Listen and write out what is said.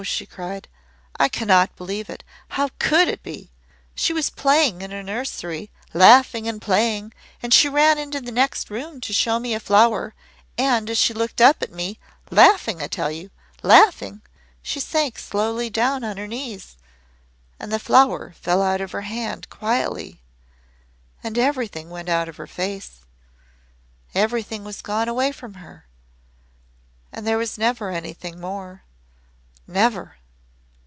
she cried. "I cannot believe it. How COULD it be? She was playing in her nursery laughing and playing and she ran into the next room to show me a flower and as she looked up at me laughing, I tell you laughing she sank slowly down on her knees and the flower fell out of her hand quietly and everything went out of her face everything was gone away from her, and there was never anything more never!"